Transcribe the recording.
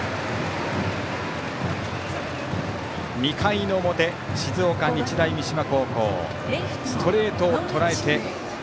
２回の表、静岡・日大三島高校ストレートをとらえて。